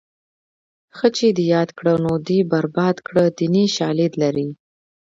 ښه چې دې یاد کړه نو دې برباد کړه دیني شالید لري